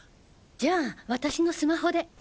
じゃあ私のスマホで。